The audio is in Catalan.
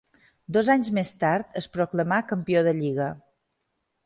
Dos anys més tard es proclamà campió de lliga.